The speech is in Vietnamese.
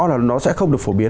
là nó sẽ không được phổ biến